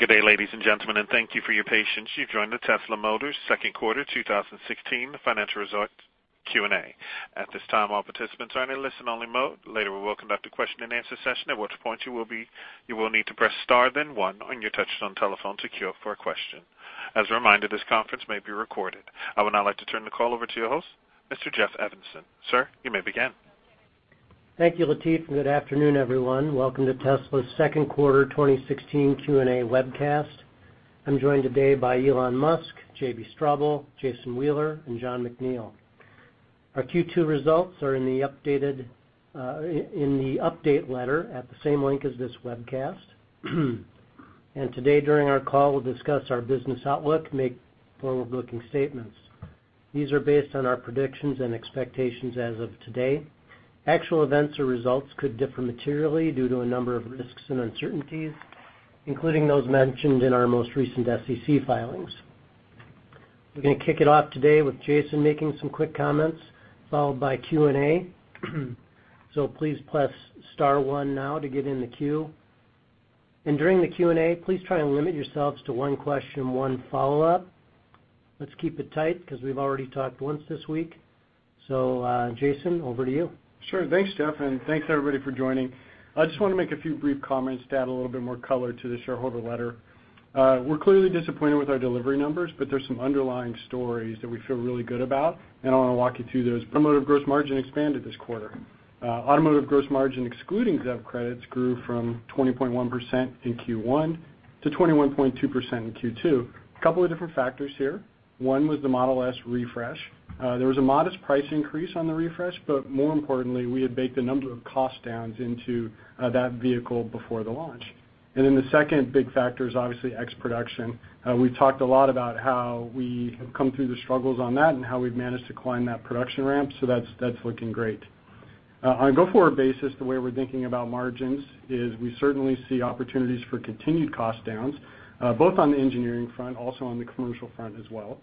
Good day, ladies and gentlemen, and thank you for your patience. You've joined the Tesla Motors' Second Quarter 2016 Financial Results Q&A. At this time, all participants are in a listen-only mode. Later, we will conduct a question-and-answer session, at which point you will need to press star then one on your touchtone telephone to queue up for a question. As a reminder, this conference may be recorded. I would now like to turn the call over to your host, Mr. Jeff Evanson. Sir, you may begin. Thank you, Latif. Good afternoon, everyone. Welcome to Tesla's Second Quarter 2016 Q&A webcast. I'm joined today by Elon Musk, JB Straubel, Jason Wheeler, and Jon McNeill. Our Q2 results are in the updated in the update letter at the same link as this webcast. Today, during our call, we'll discuss our business outlook and make forward-looking statements. These are based on our predictions and expectations as of today. Actual events or results could differ materially due to a number of risks and uncertainties, including those mentioned in our most recent SEC filings. We're gonna kick it off today with Jason making some quick comments, followed by Q&A. Please press star one now to get in the queue. During the Q&A, please try and limit yourselves to one question, one follow-up. Let's keep it tight because we've already talked once this week. Jason, over to you. Sure. Thanks, Jeff, and thanks everybody for joining. I just wanna make a few brief comments to add a little bit more color to the shareholder letter. We're clearly disappointed with our delivery numbers, but there's some underlying stories that we feel really good about, and I wanna walk you through those. Automotive gross margin expanded this quarter. Automotive gross margin, excluding ZEV credits, grew from 20.1% in Q1 to 21.2% in Q2. A couple of different factors here. 1 was the Model S refresh. There was a modest price increase on the refresh, but more importantly, we had baked a number of cost downs into that vehicle before the launch. The second big factor is obviously X production. We've talked a lot about how we have come through the struggles on that and how we've managed to climb that production ramp, that's looking great. On a go-forward basis, the way we're thinking about margins is we certainly see opportunities for continued cost downs, both on the engineering front, also on the commercial front as well.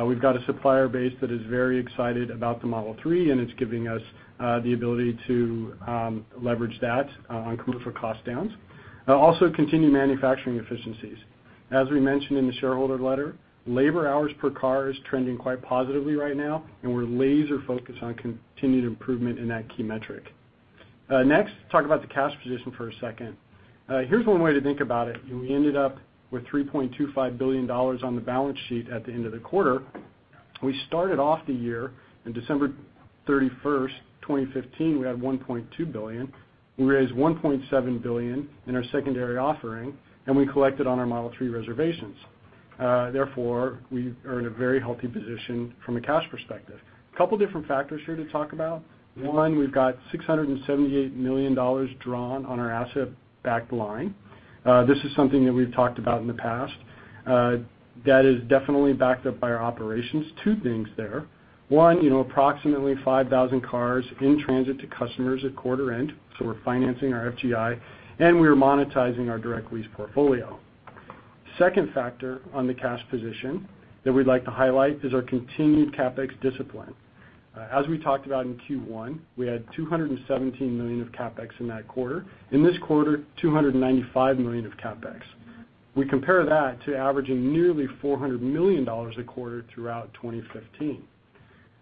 We've got a supplier base that is very excited about the Model 3, and it's giving us the ability to leverage that on commercial cost downs. Also continued manufacturing efficiencies. As we mentioned in the shareholder letter, labor hours per car is trending quite positively right now, and we're laser-focused on continued improvement in that key metric. Talk about the cash position for a second. Here's one way to think about it. We ended up with $3.25 billion on the balance sheet at the end of the quarter. We started off the year on December 31st, 2015, we had $1.2 billion. We raised $1.7 billion in our secondary offering, and we collected on our Model 3 reservations. Therefore, we are in a very healthy position from a cash perspective. A couple different factors here to talk about. One, we've got $678 million drawn on our asset-backed line. This is something that we've talked about in the past. That is definitely backed up by our operations. Two things there. One, you know, approximately 5,000 cars in transit to customers at quarter end, so we're financing our FGI, and we are monetizing our direct lease portfolio. Second factor on the cash position that we'd like to highlight is our continued CapEx discipline. As we talked about in Q1, we had $217 million of CapEx in that quarter. In this quarter, $295 million of CapEx. We compare that to averaging nearly $400 million a quarter throughout 2015.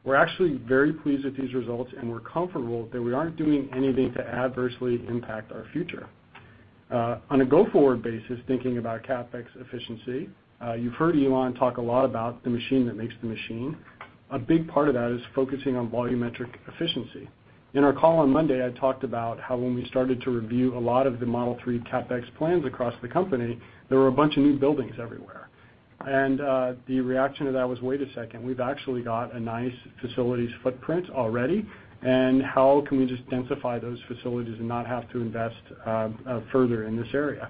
We're actually very pleased with these results, and we're comfortable that we aren't doing anything to adversely impact our future. On a go-forward basis, thinking about CapEx efficiency, you've heard Elon talk a lot about the machine that makes the machine. A big part of that is focusing on volumetric efficiency. In our call on Monday, I talked about how when we started to review a lot of the Model 3 CapEx plans across the company, there were a bunch of new buildings everywhere. The reaction to that was, wait a second. We've actually got a nice facilities footprint already, and how can we just densify those facilities and not have to invest further in this area?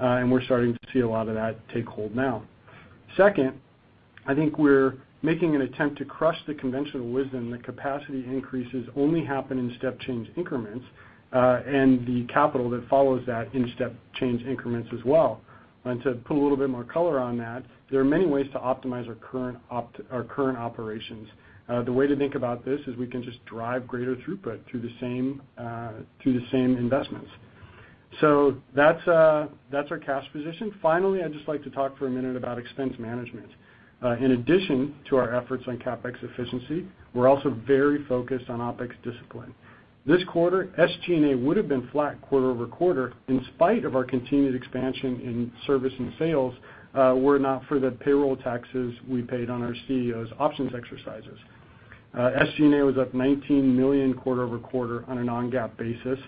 We're starting to see a lot of that take hold now. Second, I think we're making an attempt to crush the conventional wisdom that capacity increases only happen in step change increments and the capital that follows that in step change increments as well. To put a little bit more color on that, there are many ways to optimize our current operations. The way to think about this is we can just drive greater throughput through the same through the same investments. That's our cash position. Finally, I'd just like to talk for a minute about expense management. In addition to our efforts on CapEx efficiency, we're also very focused on OpEx discipline. This quarter, SG&A would've been flat quarter-over-quarter in spite of our continued expansion in service and sales, were it not for the payroll taxes we paid on our CEO's options exercises. SG&A was up $19 million quarter-over-quarter on a non-GAAP basis.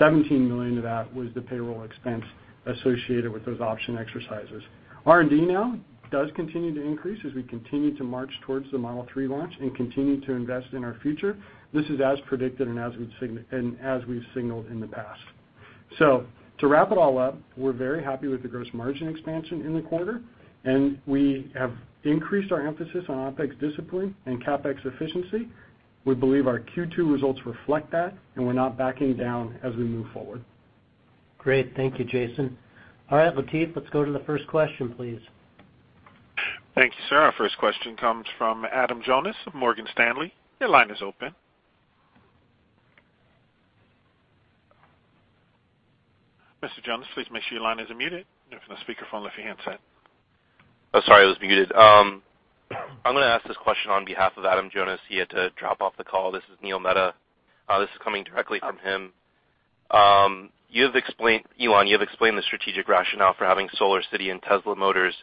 $17 million of that was the payroll expense associated with those option exercises. R&D now does continue to increase as we continue to march towards the Model 3 launch and continue to invest in our future. This is as predicted and as we've signaled in the past. To wrap it all up, we're very happy with the gross margin expansion in the quarter, and we have increased our emphasis on OpEx discipline and CapEx efficiency. We believe our Q2 results reflect that, and we're not backing down as we move forward. Great. Thank you, Jason. All right, Latif, let's go to the first question, please. Thank you, sir. Our first question comes from Adam Jonas of Morgan Stanley. Your line is open. Mr. Jonas, please make sure your line isn't muted. Lift the speakerphone off your handset. Oh, sorry, I was muted. I'm gonna ask this question on behalf of Adam Jonas. He had to drop off the call. This is Neil Mehta. This is coming directly from him. Elon, you have explained the strategic rationale for having SolarCity and Tesla Motors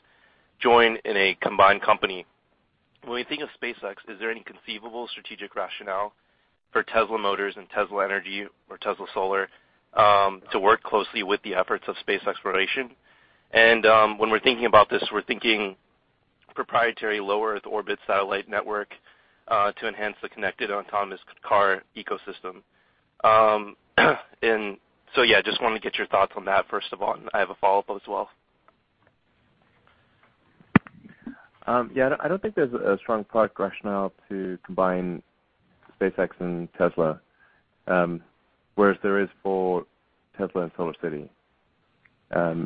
join in a combined company. When you think of SpaceX, is there any conceivable strategic rationale for Tesla Motors and Tesla Energy or Tesla Solar to work closely with the efforts of space exploration? When we're thinking about this, we're thinking proprietary low Earth orbit satellite network to enhance the connected autonomous car ecosystem. Yeah, just wanna get your thoughts on that, first of all, and I have a follow-up as well. Yeah, I don't think there's a strong product rationale to combine SpaceX and Tesla, whereas there is for Tesla and SolarCity.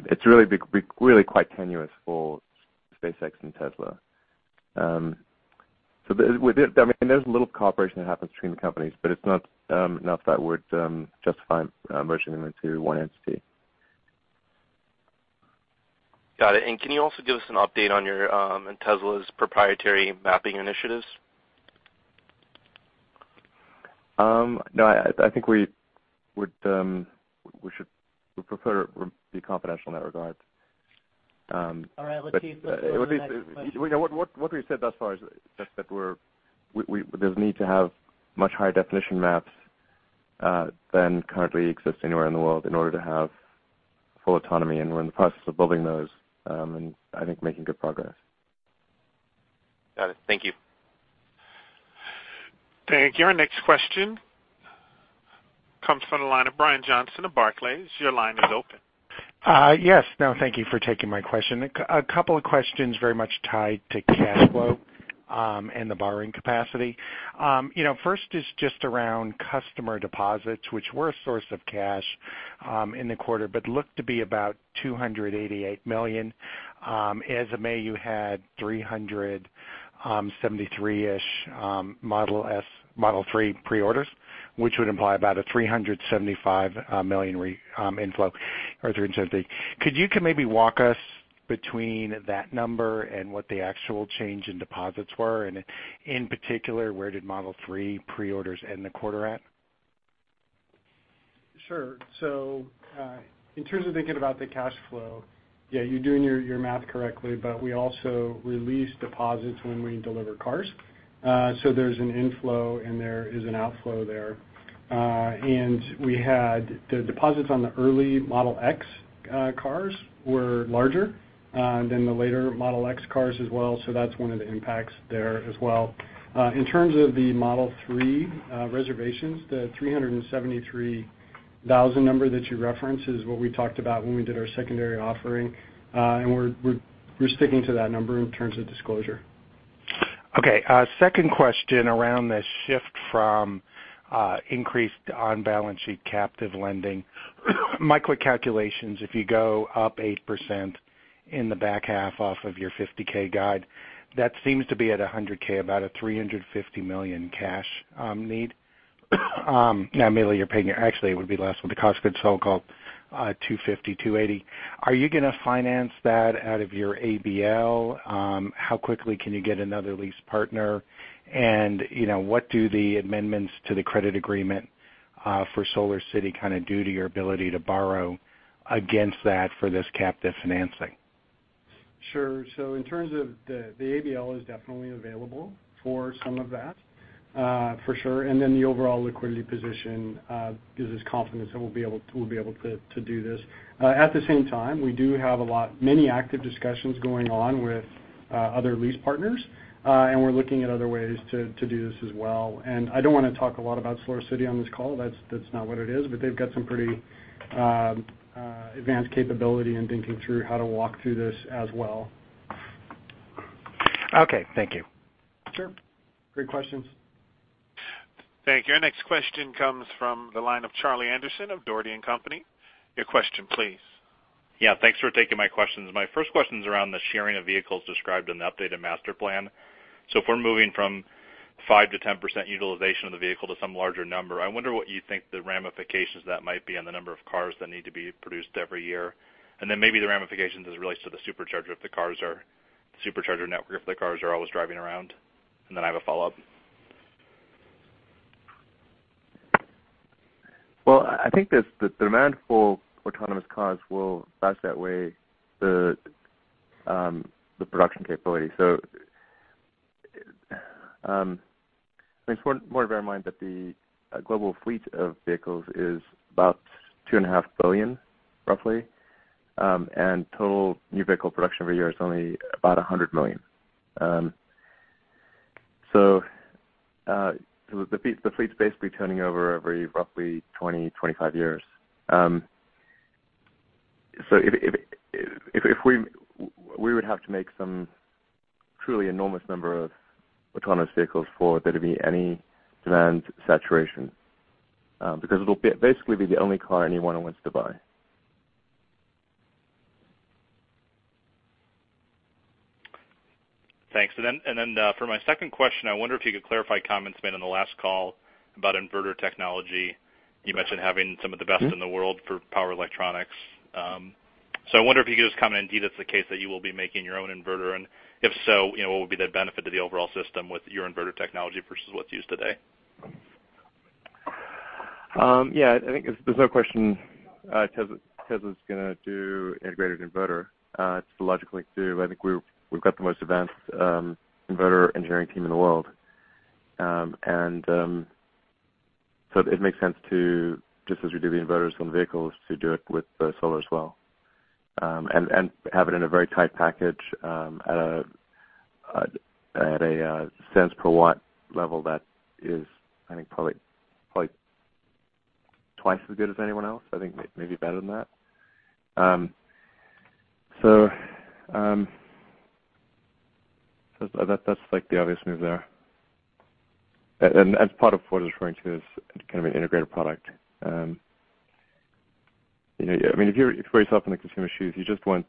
It's really be really quite tenuous for SpaceX and Tesla. With it, I mean, there's a little cooperation that happens between the companies, but it's not enough that we're to justify merging them into one entity. Got it. Can you also give us an update on your and Tesla's proprietary mapping initiatives? no, I think we would, we prefer it to be confidential in that regard. All right. Let's see if we can go to the next question. At least, what we've said thus far is that there's a need to have much higher definition maps than currently exist anywhere in the world in order to have full autonomy. We're in the process of building those, and I think making good progress. Got it. Thank you. Thank you. Our next question comes from the line of Brian Johnson of Barclays. Your line is open. Yes. No, thank you for taking my question. A couple of questions very much tied to cash flow and the borrowing capacity. You know, first is just around customer deposits, which were a source of cash in the quarter, but look to be about $288 million. As of May, you had 373-ish Model S, Model 3 pre-orders, which would imply about a $375 million inflow or $370. Could you maybe walk us between that number and what the actual change in deposits were? In particular, where did Model 3 pre-orders end the quarter at? Sure. In terms of thinking about the cash flow, yeah, you're doing your math correctly, but we also release deposits when we deliver cars. There's an inflow, and there is an outflow there. We had the deposits on the early Model X cars were larger than the later Model X cars as well, so that's one of the impacts there as well. In terms of the Model 3 reservations, the 373,000 number that you referenced is what we talked about when we did our secondary offering. We're sticking to that number in terms of disclosure. Okay. Second question around the shift from increased on-balance sheet captive lending. My quick calculation is if you go up 8% in the back half off of your 50K guide, that seems to be at a 100K, about a $350 million cash need. actually, it would be less with the cost of goods sold call, $250-$280. Are you gonna finance that out of your ABL? How quickly can you get another lease partner? You know, what do the amendments to the credit agreement for SolarCity kinda do to your ability to borrow against that for this captive financing? Sure. In terms of the ABL is definitely available for some of that, for sure. The overall liquidity position gives us confidence that we'll be able to do this. At the same time, we do have many active discussions going on with other lease partners, and we're looking at other ways to do this as well. I don't wanna talk a lot about SolarCity on this call. That's not what it is. They've got some pretty advanced capability in thinking through how to walk through this as well. Okay. Thank you. Sure. Great questions. Thank you. Our next question comes from the line of Charlie Anderson of Dougherty & Company. Your question please. Yeah, thanks for taking my questions. My first question's around the sharing of vehicles described in the updated master plan. If we're moving from 5% to 10% utilization of the vehicle to some larger number, I wonder what you think the ramifications of that might be on the number of cars that need to be produced every year. Maybe the ramifications as it relates to the Supercharger network if the cars are always driving around. I have a follow-up. Well, I think the demand for autonomous cars will pass that way the production capability. I think it's worth bearing in mind that the global fleet of vehicles is about $2.5 billion, roughly. Total new vehicle production every year is only about $100 million. The fleet's basically turning over every roughly 20-25 years. If we would have to make some truly enormous number of autonomous vehicles for there to be any demand saturation, because it'll basically be the only car anyone who wants to buy. Thanks. For my second question, I wonder if you could clarify comments made on the last call about inverter technology. You mentioned having some of the best. In the world for power electronics. I wonder if you could just comment, indeed, it's the case that you will be making your own inverter, and if so, you know, what would be the benefit to the overall system with your inverter technology versus what's used today? Yeah, I think there's no question, Tesla's gonna do integrated inverter. It's the logical thing to do. I think we've got the most advanced inverter engineering team in the world. It, it makes sense to, just as we do the inverters on the vehicles, to do it with the solar as well. Have it in a very tight package, at a, at a cents per watt level that is, I think, probably quite twice as good as anyone else. I think maybe better than that. That's like the obvious move there. As part of what I was referring to as kind of an integrated product, you know, I mean, if you're yourself in the consumer's shoes, you just want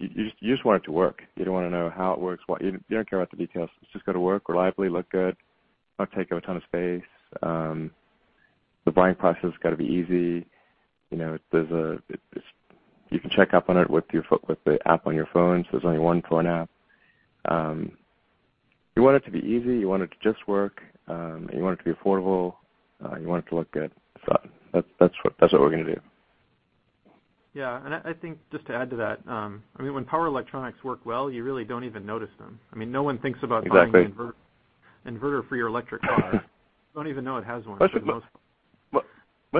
it to work. You don't wanna know how it works. You don't care about the details. It's just gotta work reliably, look good, not take up a ton of space. The buying process has gotta be easy. You know, it's you can check up on it with your with the app on your phone, so there's only one phone app. You want it to be easy, you want it to just work, you want it to be affordable, you want it to look good. That's what we're gonna do. Yeah. I think just to add to that, I mean, when power electronics work well, you really don't even notice them. Exactly buying the inverter for your electric car. You don't even know it has one. Most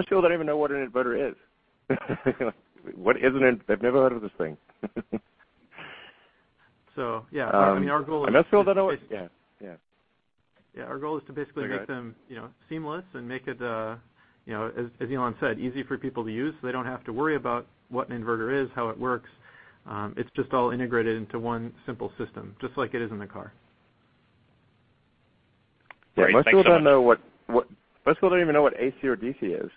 people don't even know what an inverter is. They've never heard of this thing. Yeah. Um. I mean, our goal is. Most people don't always Yeah, yeah. Yeah, our goal is to. There you go. make them, you know, seamless and make it, you know, as Elon said, easy for people to use, so they don't have to worry about what an inverter is, how it works. It's just all integrated into one simple system, just like it is in the car. Great. Thanks so much. Yeah, most people don't know what most people don't even know what AC or DC is.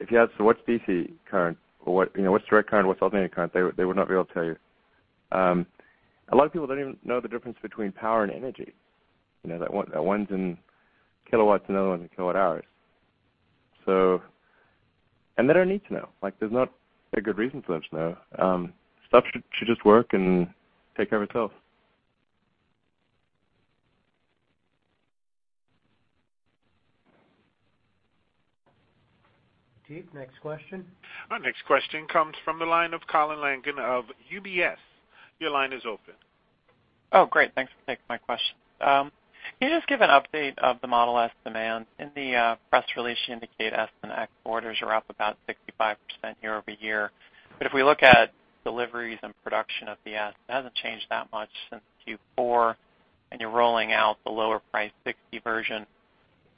If you ask, so what's DC current or what, you know, what's direct current, what's alternating current, they would not be able to tell you. A lot of people don't even know the difference between power and energy. You know, that one's in kilowatts, another one in kilowatt hours. And they don't need to know. Like, there's not a good reason for them to know. Stuff should just work and take care of itself. Latif, next question. Our next question comes from the line of Colin Langan of UBS. Your line is open. Oh, great. Thanks. Take my question. Can you just give an update of the Model S demand? In the press release, you indicate S and X orders are up about 65% year-over-year. If we look at deliveries and production of the S, it hasn't changed that much since Q4, and you're rolling out the lower priced 60 version.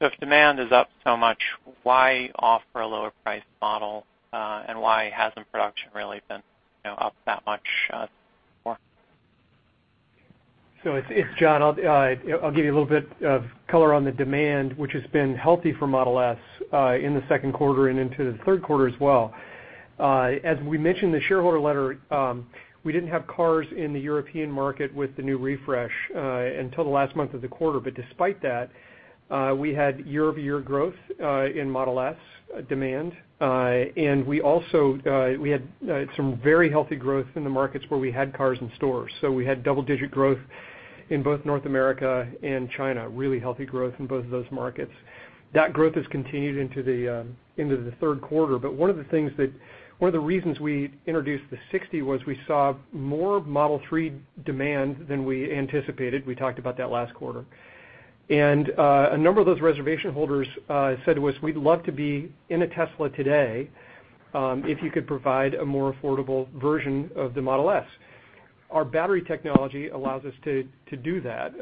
If demand is up so much, why offer a lower priced model, and why hasn't production really been, you know, up that much more? It's Jon. I'll give you a little bit of color on the demand, which has been healthy for Model S in the second quarter and into the third quarter as well. As we mentioned in the shareholder letter, we didn't have cars in the European market with the new refresh until the last month of the quarter. Despite that, we had year-over-year growth in Model S demand. And we also, we had some very healthy growth in the markets where we had cars in stores. We had double-digit growth in both North America and China, really healthy growth in both of those markets. That growth has continued into the third quarter. One of the things One of the reasons we introduced the 60 was we saw more Model 3 demand than we anticipated. We talked about that last quarter. A number of those reservation holders said to us, "We'd love to be in a Tesla today, if you could provide a more affordable version of the Model S." Our battery technology allows us to do that.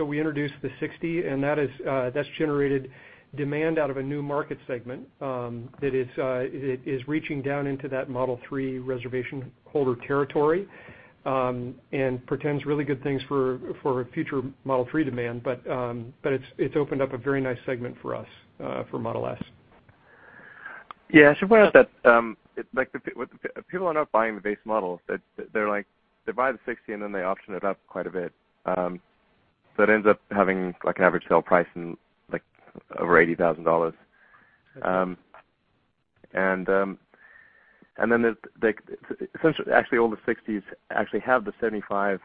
We introduced the 60, and that is that's generated demand out of a new market segment that is it is reaching down into that Model 3 reservation holder territory and portends really good things for future Model 3 demand. It's opened up a very nice segment for us for Model S. Yeah, I should point out that, People are not buying the base model. They're like, they buy the 60, then they option it up quite a bit. It ends up having like an average sale price in like over $80,000. Essentially, actually, all the 60s actually have the 75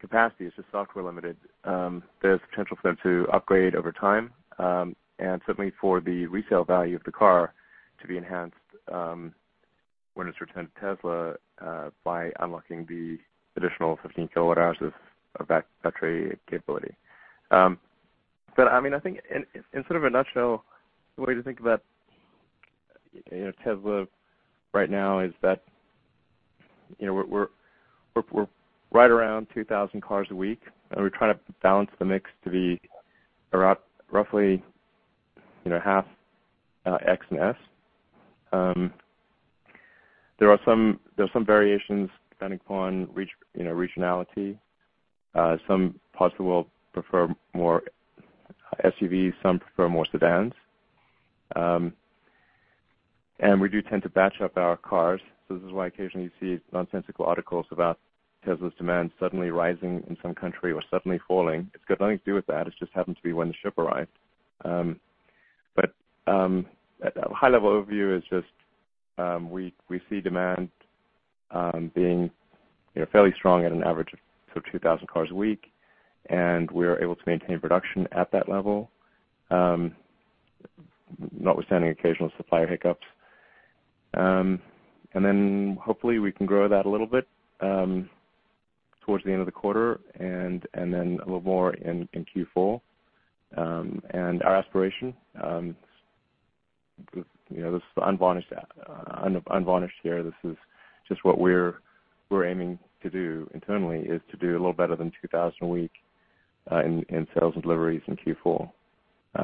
capacity. It's just software limited. There's potential for them to upgrade over time, certainly for the resale value of the car to be enhanced, when it's returned to Tesla, by unlocking the additional 15 kilowatt hours of battery capability. I mean, I think in sort of a nutshell, the way to think about, you know, Tesla right now is that, you know, we're right around 2,000 cars a week, and we're trying to balance the mix to be around roughly, you know, half X and S. There are some, there are some variations depending upon regionality. Some parts of the world prefer more SUVs, some prefer more sedans. We do tend to batch up our cars. This is why occasionally you see nonsensical articles about Tesla's demand suddenly rising in some country or suddenly falling. It's got nothing to do with that. It just happens to be when the ship arrived. A high-level overview is just, we see demand being, you know, fairly strong at an average of 2,000 cars a week, and we're able to maintain production at that level, notwithstanding occasional supplier hiccups. Hopefully we can grow that a little bit towards the end of the quarter and then a little more in Q4. Our aspiration, you know, this is the unvarnished here. This is just what we're aiming to do internally, is to do a little better than 2,000 a week in sales and deliveries in Q4,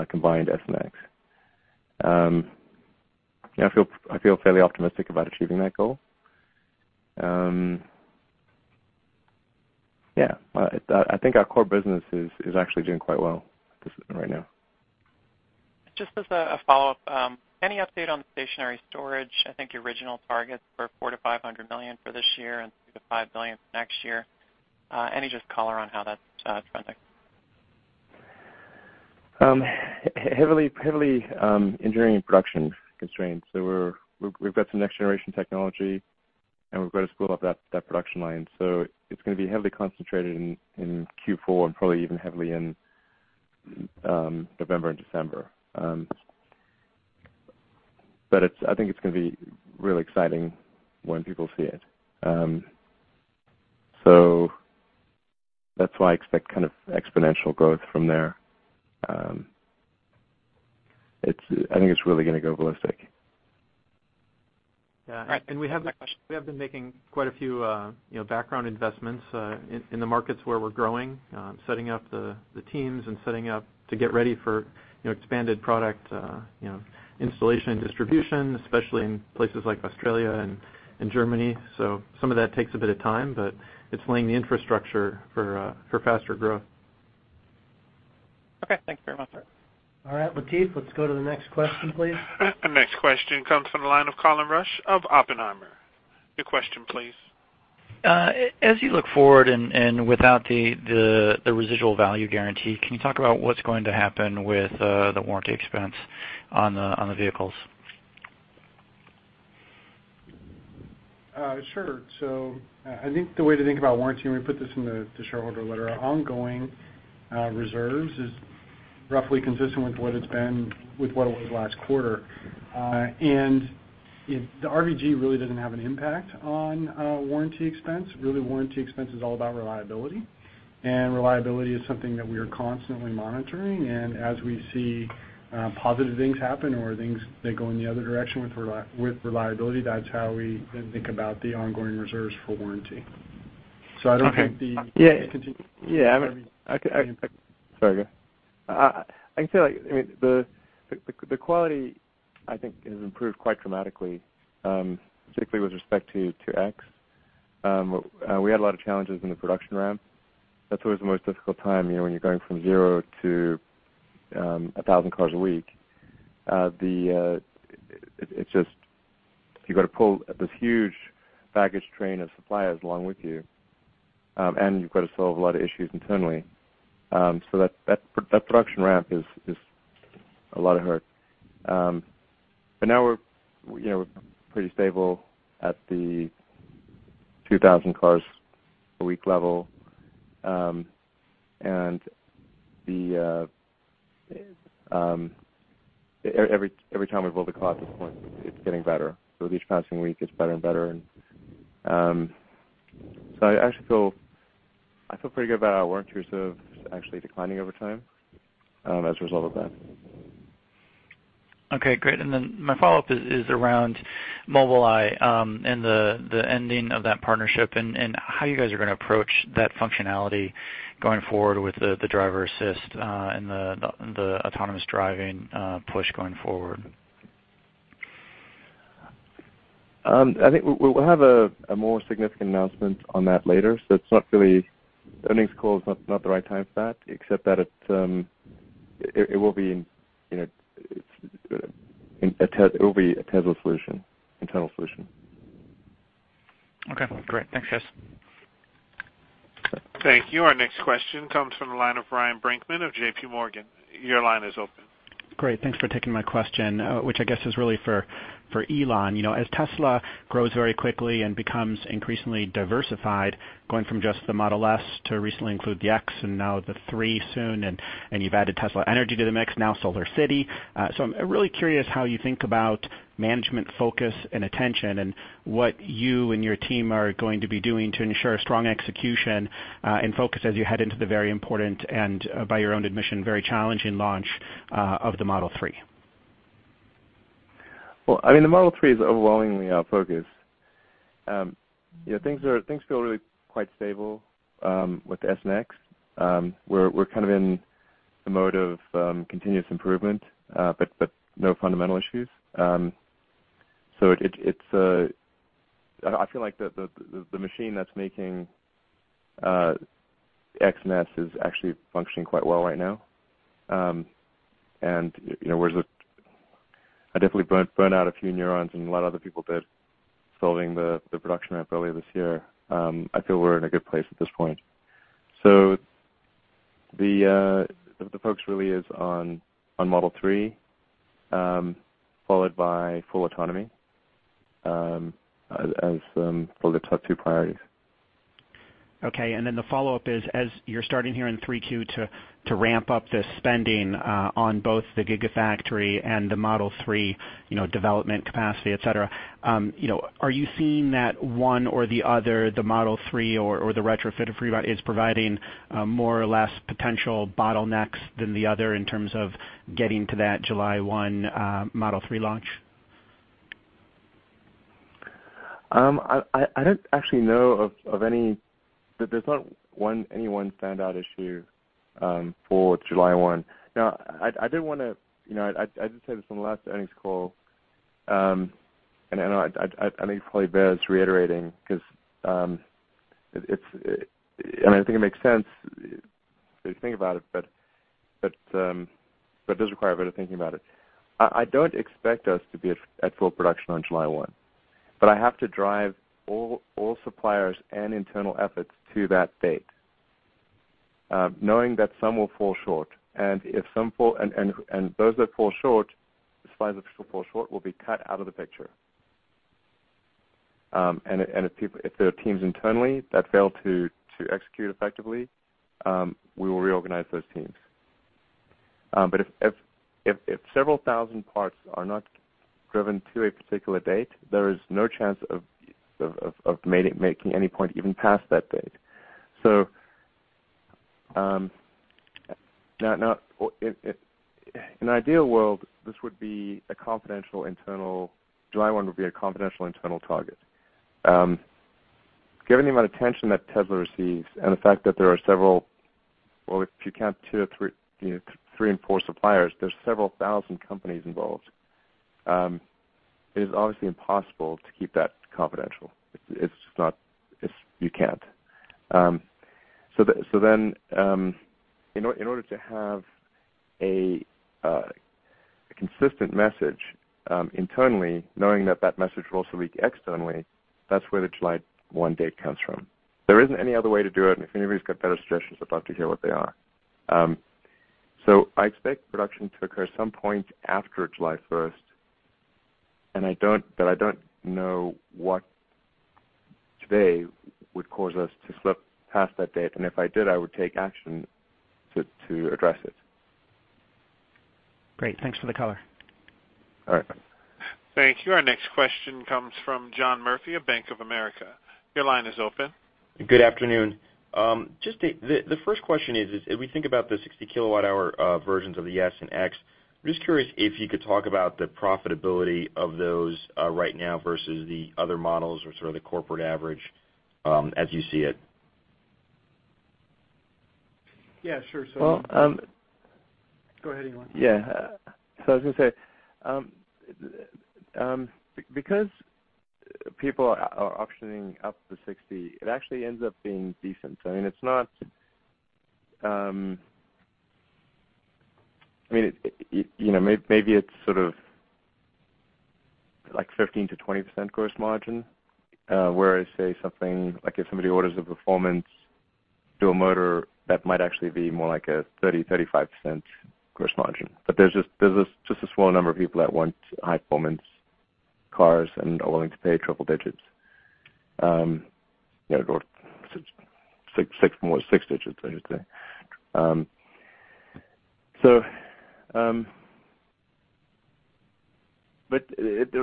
combined Model S and Model X. Yeah, I feel fairly optimistic about achieving that goal. Yeah, I think our core business is actually doing quite well just right now. Just as a follow-up, any update on the stationary storage? I think your original targets were $400 million-$500 million for this year and $3 billion-$5 billion for next year. Any just color on how that's trending? Heavily engineering and production constraints. We've got some next-generation technology, and we've got to spool up that production line. It's gonna be heavily concentrated in Q4 and probably even heavily in November and December. But I think it's gonna be really exciting when people see it. That's why I expect kind of exponential growth from there. I think it's really gonna go ballistic. Yeah. Right. Next question. We have been making quite a few, you know, background investments, in the markets where we're growing, setting up the teams and setting up to get ready for, you know, expanded product, you know, installation and distribution, especially in places like Australia and Germany. Some of that takes a bit of time, but it's laying the infrastructure for faster growth. Okay, thanks very much. All right, Latif, let's go to the next question, please. The next question comes from the line of Colin Rusch of Oppenheimer. Your question, please. As you look forward and without the residual value guarantee, can you talk about what's going to happen with the warranty expense on the vehicles? Sure. I think the way to think about warranty, and we put this in the shareholder letter, our ongoing reserves is roughly consistent with what it was last quarter. The RVG really doesn't have an impact on warranty expense. Really, warranty expense is all about reliability is something that we are constantly monitoring. As we see positive things happen or things that go in the other direction with reliability, that's how we then think about the ongoing reserves for warranty. Okay. Yeah. Cont, Yeah. I mean, I can Sorry, go ahead. I can say, like, I mean, the quality I think has improved quite dramatically, particularly with respect to Model X. We had a lot of challenges in the production ramp. That's always the most difficult time, you know, when you're going from 0-1,000 cars a week. You've got to pull this huge baggage train of suppliers along with you, and you've got to solve a lot of issues internally. That production ramp is a lot of hurt. Now we're, you know, we're pretty stable at the 2,000 cars a week level. Every time we build a car at this point, it's getting better. With each passing week, it's better and better. I actually feel pretty good about our warranty reserve actually declining over time as a result of that. Okay, great. My follow-up is around Mobileye, and the ending of that partnership and how you guys are going to approach that functionality going forward with the driver assist and the autonomous driving push. I think we'll have a more significant announcement on that later. The earnings call is not the right time for that, except that it will be in, you know, it will be a Tesla solution, internal solution. Okay, great. Thanks, guys. Thank you. Our next question comes from the line of Ryan Brinkman of J.P. Morgan. Your line is open. Great. Thanks for taking my question, which I guess is really for Elon. You know, as Tesla grows very quickly and becomes increasingly diversified, going from just the Model S to recently include the X and now the 3 soon, and you've added Tesla Energy to the mix, now SolarCity. I'm really curious how you think about management focus and attention and what you and your team are going to be doing to ensure strong execution, and focus as you head into the very important and, by your own admission, very challenging launch, of the Model 3. Well, I mean, the Model 3 is overwhelmingly our focus. You know, things feel really quite stable with the S and X. We're kind of in the mode of continuous improvement, but no fundamental issues. I feel like the machine that's making Model X is actually functioning quite well right now. You know, whereas I definitely burnt out a few neurons and a lot of other people did solving the production ramp earlier this year. I feel we're in a good place at this point. The focus really is on Model 3, followed by full autonomy as for the top two priorities. Okay. The follow-up is, as you're starting here in Q3 to ramp up the spending, on both the Gigafactory and the Model 3, you know, development capacity, et cetera, you know, are you seeing that one or the other, the Model 3 or the retrofitted Fremont is providing more or less potential bottlenecks than the other in terms of getting to that July 1 Model 3 launch? I don't actually know of any. There's not any one standout issue for July 1. I did wanna, you know, I did say this on the last earnings call, I know I think it probably bears reiterating 'cause it's, I mean, I think it makes sense if you think about it, but it does require a bit of thinking about it. I don't expect us to be at full production on July 1, but I have to drive all suppliers and internal efforts to that date, knowing that some will fall short. Those that fall short, the suppliers that fall short will be cut out of the picture. And if, and if people, if there are teams internally that fail to execute effectively, we will reorganize those teams. But if several thousand parts are not driven to a particular date, there is no chance of making any point even past that date. Now, in an ideal world, July 1 would be a confidential internal target. Given the amount of attention that Tesla receives and the fact that there are several, well, if you count two or three, you know, three and four suppliers, there's several thousand companies involved. It is obviously impossible to keep that confidential. It's just not. You can't. In order to have a consistent message, internally knowing that that message will also leak externally, that's where the July 1 date comes from. There isn't any other way to do it, and if anybody's got better suggestions, I'd love to hear what they are. I expect production to occur some point after July 1st, and I don't, but I don't know what today would cause us to slip past that date. If I did, I would take action to address it. Great. Thanks for the color. All right. Thanks. Thank you. Our next question comes from John Murphy of Bank of America. Your line is open. Good afternoon. Just the first question is, as we think about the 60 kilowatt hour versions of the S and X, I'm just curious if you could talk about the profitability of those right now versus the other models or sort of the corporate average, as you see it? Yeah, sure. Well. Go ahead, Elon. Yeah. Because people are optioning up to 60, it actually ends up being decent. I mean, it's not, I mean, you know, maybe it's sort of like 15%-20% gross margin, whereas say something like if somebody orders a performance dual motor, that might actually be more like a 30%-35% gross margin. There's just a small number of people that want high performance cars and are willing to pay triple digits. You know, or six digits, I should say. It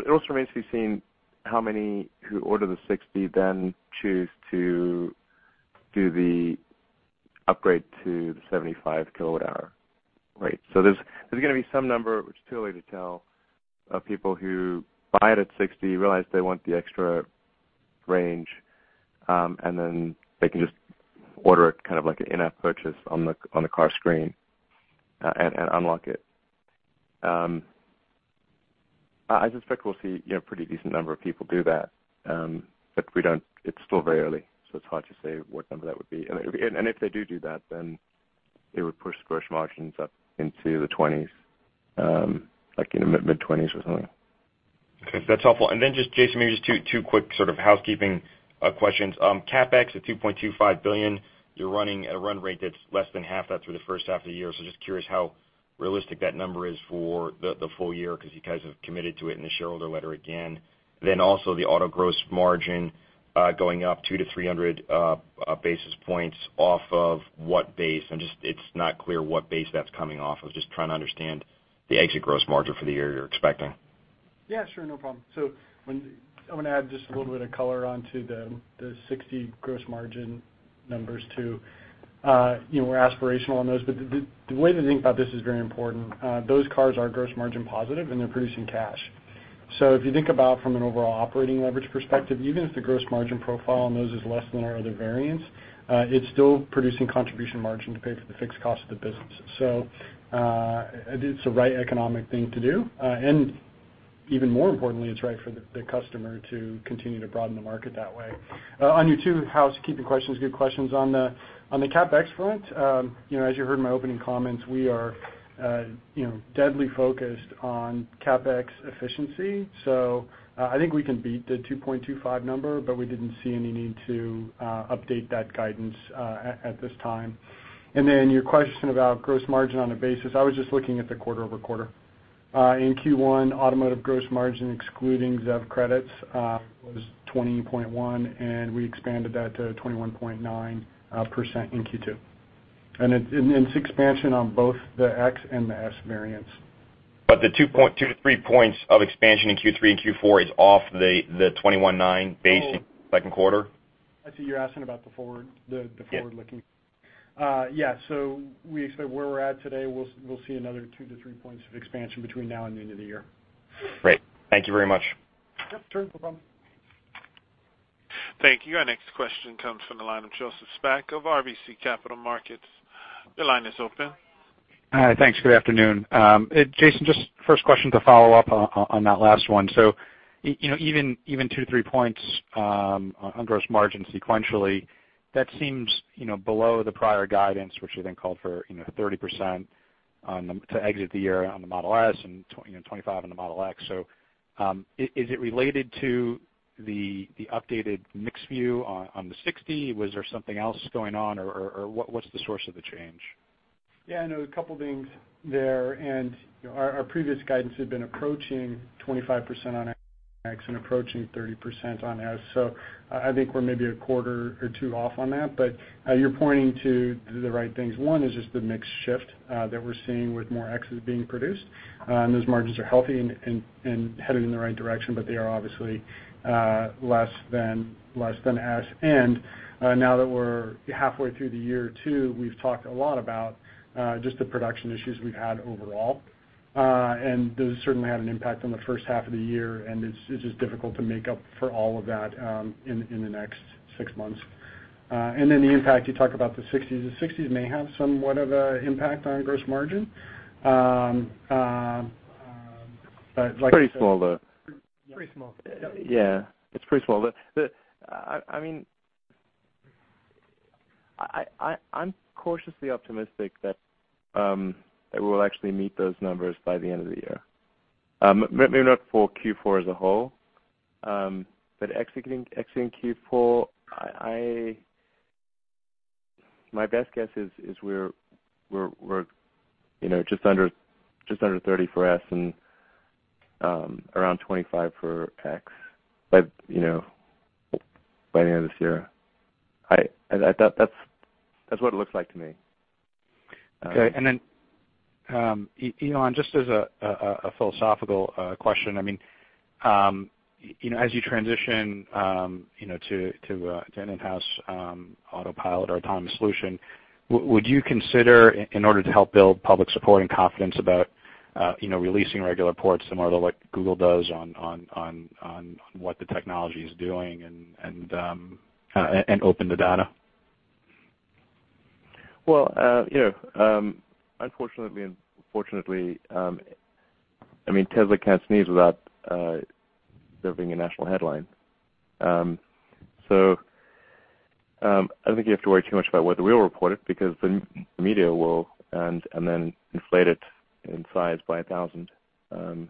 also remains to be seen how many who order the 60 then choose to do the upgrade to the 75 kW hour rate. There's going to be some number, which is too early to tell, of people who buy it at 60, realize they want the extra range, and then they can just order it kind of like an in-app purchase on the car screen, and unlock it. I suspect we'll see, you know, a pretty decent number of people do that. It's still very early, so it's hard to say what number that would be. If they do that, then it would push gross margins up into the 20%s, like in the mid-20%s or something. Okay. That's helpful. Jason, maybe just two quick sort of housekeeping questions. CapEx at $2.25 billion, you're running a run rate that's less than half that through the first half of the year. Just curious how realistic that number is for the full year because you guys have committed to it in the shareholder letter again. Also the Automotive gross margin going up 200-300 basis points off of what base? It's not clear what base that's coming off of. Just trying to understand the exit gross margin for the year you're expecting. Yeah, sure. No problem. When, I'm gonna add just a little bit of color onto the 60 gross margin numbers too. You know, we're aspirational on those, but the way to think about this is very important. Those cars are gross margin positive, and they're producing cash. If you think about from an overall operating leverage perspective, even if the gross margin profile on those is less than our other variants, it's still producing contribution margin to pay for the fixed cost of the business. It's the right economic thing to do. Even more importantly, it's right for the customer to continue to broaden the market that way. On your two housekeeping questions, good questions. On the CapEx front, you know, as you heard in my opening comments, we are, you know, deadly focused on CapEx efficiency. I think we can beat the $2.25 number, but we didn't see any need to update that guidance at this time. Your question about gross margin on a basis, I was just looking at the quarter-over-quarter. In Q1, Automotive gross margin, excluding ZEV credits, was 20.1%, and we expanded that to 21.9% in Q2. It's expansion on both the Model X and the Model S variants. The two to three points of expansion in Q3 and Q4 is off the 21.9 base in second quarter? I see you're asking about the forward, the forward-looking. Yeah. yeah, we expect where we're at today, we'll see another two to three points of expansion between now and the end of the year. Great. Thank you very much. Yep, sure. No problem. Thank you. Our next question comes from the line of Joseph Spak of RBC Capital Markets. Your line is open. Thanks. Good afternoon. Jason, just first question to follow up on that last one. You know, even two to three points on gross margin sequentially, that seems, you know, below the prior guidance, which I think called for, you know, 30% to exit the year on the Model S and you know, 25 on the Model X. Is it related to the updated mixed view on the 60? Was there something else going on, or what's the source of the change? Yeah, I know a couple things there. You know, our previous guidance had been approaching 25% on X and approaching 30% on S. I think we're maybe a quarter or two off on that. You're pointing to the right things. One is just the mix shift that we're seeing with more X's being produced. Those margins are healthy and headed in the right direction, but they are obviously less than S. Now that we're halfway through the year too, we've talked a lot about just the production issues we've had overall. Those certainly had an impact on the first half of the year, and it's just difficult to make up for all of that in the next six months. The impact, you talk about the 60s. The 60s may have somewhat of a impact on gross margin. It's pretty small, though. Pretty small. Yep. Yeah, it's pretty small. I mean, I'm cautiously optimistic that we'll actually meet those numbers by the end of the year. Maybe not for Q4 as a whole, executing Q4, I, my best guess is we're, you know, just under 30 for S and around 25 for X by, you know, by the end of this year. That's what it looks like to me. Okay. Then, Elon, just as a philosophical question, I mean, you know, as you transition, you know, to in-house, Autopilot or autonomous solution, would you consider in order to help build public support and confidence about, you know, releasing regular reports similar to what Google does on what the technology is doing and open the data? Well, you know, I mean, Tesla can't sneeze without there being a national headline. So, I don't think you have to worry too much about whether we'll report it because the media will and then inflate it in size by 1,000. You know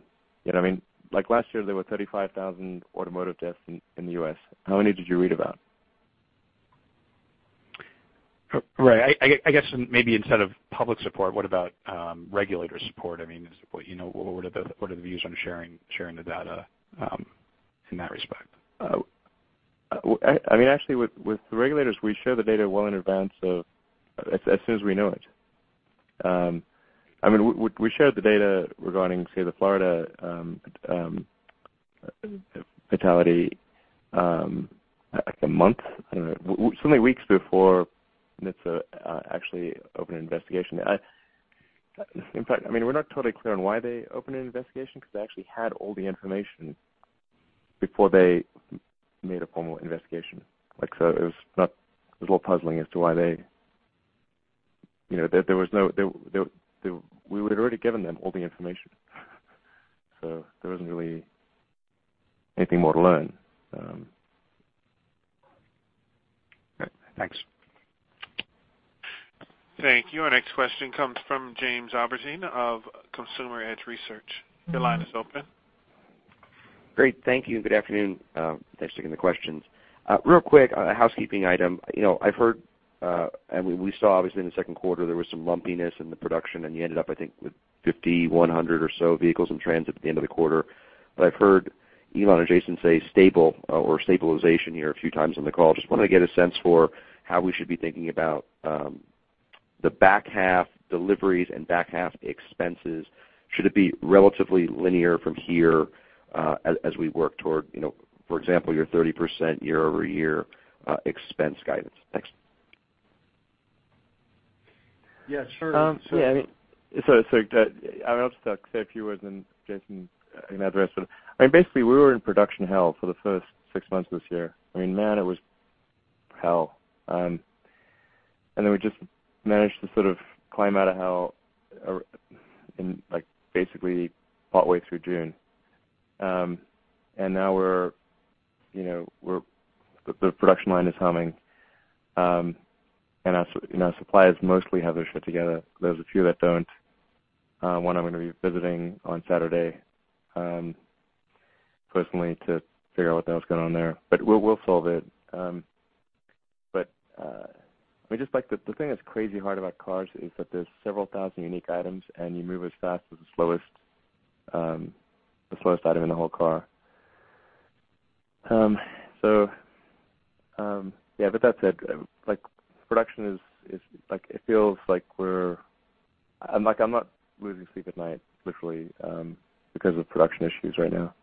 what I mean? Like, last year, there were 35,000 automotive deaths in the U.S. How many did you read about? Right. I guess maybe instead of public support, what about regulator support? I mean, you know, what are the views on sharing the data in that respect? I mean, actually, with the regulators, we share the data well in advance as soon as we know it. I mean, we shared the data regarding, say, the Florida fatality, like a month, I don't know, certainly weeks before NHTSA actually opened an investigation. In fact, I mean, we're not totally clear on why they opened an investigation because they actually had all the information before they made a formal investigation. Like, so it was a little puzzling as to why they, you know, there was no, we had already given them all the information, so there wasn't really anything more to learn. Okay. Thanks. Thank you. Our next question comes from James Albertine of Consumer Edge Research. Your line is open. Great. Thank you. Good afternoon. Thanks for taking the questions. Real quick, a housekeeping item. You know, I've heard, and we saw obviously in the second quarter, there was some lumpiness in the production, and you ended up, I think, with 5,100 or so vehicles in transit at the end of the quarter. I've heard Elon or Jason say stable or stabilization here a few times on the call. Just wanted to get a sense for how we should be thinking about the back half deliveries and back half expenses. Should it be relatively linear from here as we work toward, you know, for example, your 30% year-over-year expense guidance? Thanks. Yeah, sure. Yeah, I mean, I'll just say a few words, and Jason can add the rest of it. I mean, basically, we were in production hell for the first six months of this year. I mean, man, it was hell. Then we just managed to sort of climb out of hell, and like basically fought way through June. Now we're, you know, the production line is humming. Our suppliers mostly have their shit together. There's a few that don't. One I'm gonna be visiting on Saturday, personally to figure out what the hell's going on there. We'll solve it. I mean, just like the thing that's crazy hard about cars is that there's several thousand unique items, and you move as fast as the slowest, the slowest item in the whole car. Yeah, but that said, like production is, like it feels like we're I'm like, I'm not losing sleep at night, literally, because of production issues right now.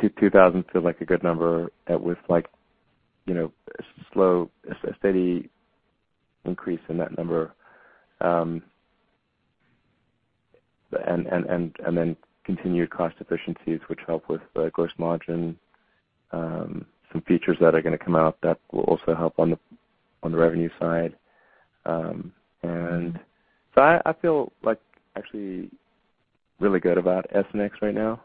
2,000 feels like a good number with like, you know, a steady increase in that number. Then continued cost efficiencies, which help with the gross margin. Some features that are going to come out that will also help on the, on the revenue side. And so I feel like actually really good about Model S and Model X right now.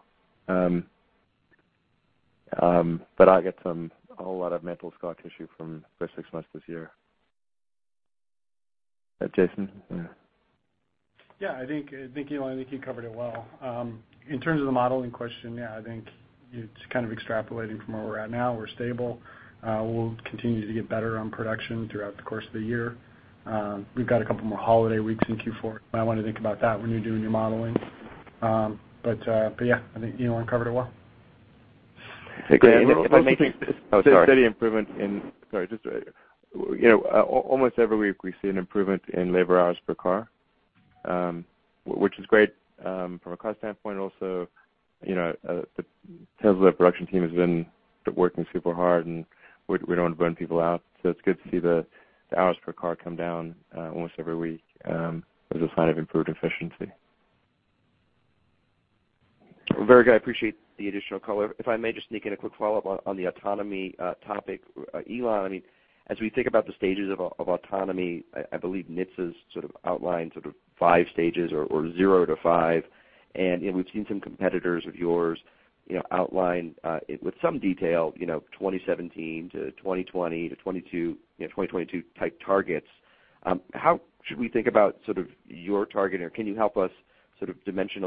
I'll get a whole lot of mental scar tissue from the first six months this year. Jason, yeah. Yeah, I think Elon, I think you covered it well. In terms of the modeling question, yeah, I think it's kind of extrapolating from where we're at now. We're stable. We'll continue to get better on production throughout the course of the year. We've got a couple more holiday weeks in Q4. Might wanna think about that when you're doing your modeling. But yeah, I think Elon covered it well. Okay. There's steady improvement in you know, almost every week we see an improvement in labor hours per car, which is great from a cost standpoint. Also, you know, the Tesla production team has been working super hard, and we don't want to burn people out, so it's good to see the hours per car come down almost every week as a sign of improved efficiency. Very good. I appreciate the additional color. If I may just sneak in a quick follow-up on the autonomy topic. Elon, I mean, as we think about the stages of autonomy, I believe NHTSA's sort of outlined sort of five stages or zero to five. You know, we've seen some competitors of yours, you know, outline with some detail, you know, 2017 to 2020 to 2022, you know, 2022 type targets. How should we think about sort of your target? Can you help us sort of dimension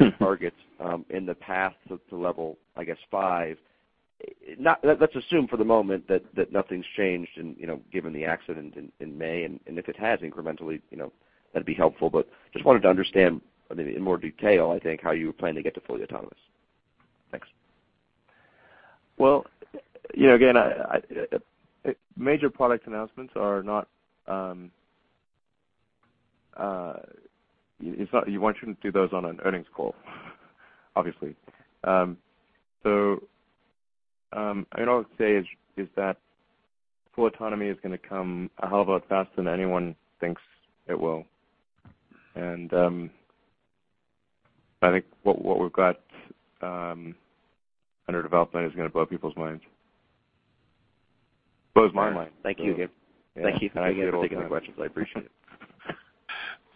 your targets in the path to level, I guess, five? Let's assume for the moment that nothing's changed and, you know, given the accident in May and if it has incrementally, you know, that'd be helpful. Just wanted to understand, I mean, in more detail, I think, how you plan to get to fully autonomous. Thanks. Well, you know, again, I major product announcements are not one shouldn't do those on an earnings call obviously. I mean, all I would say is that full autonomy is gonna come a hell of a lot faster than anyone thinks it will. I think what we've got, under development is gonna blow people's minds. Blows my mind. Thank you, again. Thank you. Yeah. I get all excited. Thank you for taking my questions. I appreciate it.